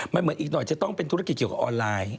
มันเหมือนอีกหน่อยจะต้องเป็นธุรกิจเกี่ยวกับออนไลน์